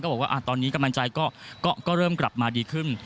บอกว่าตอนนี้กำลังใจก็เริ่มกลับมาดีขึ้น